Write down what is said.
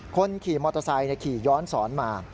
คนขี่มอเตอร์ไซค์ขี่ย้อนสอนมา